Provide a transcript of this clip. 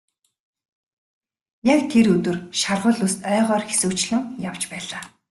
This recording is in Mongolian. Яг тэр өдөр шаргал үст ойгоор хэсүүчлэн явж байлаа.